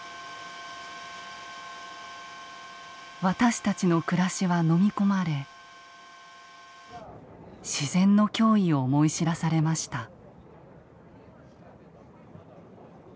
私たちの暮らしはのみ込まれ自然の脅威を思い知らされました。